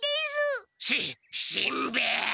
しっしんべヱ！